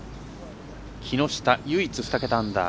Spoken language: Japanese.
木下、唯一２桁アンダー。